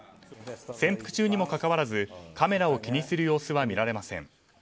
潜伏中にもかかわらずカメラを気にする様子は見られません。